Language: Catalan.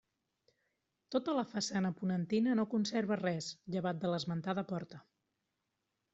Tota la façana ponentina no conserva res, llevat de l'esmentada porta.